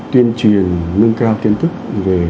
tuyên truyền nâng cao kiến thức về